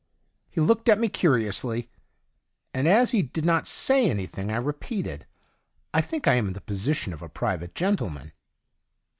He looked at me curiously, and as he did not say anything I re peated :' I think I am in the position of a private gentleman.'